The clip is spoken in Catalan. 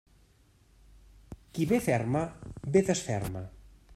Qui bé ferma, bé desferma.